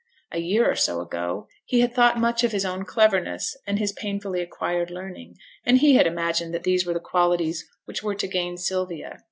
A year or so ago he had thought much of his own cleverness and his painfully acquired learning, and he had imagined that these were the qualities which were to gain Sylvia.